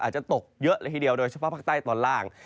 อาจจะตกเยอะเลยทีเดียวโดยเฉพาะภาคใต้ตอนล่าง